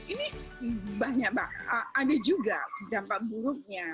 ini banyak mbak ada juga dampak buruknya